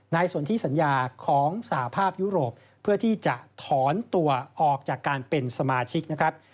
สนที่สัญญาของสหภาพยุโรปเพื่อที่จะถอนตัวออกจากการเป็นสมาชิกนะครับ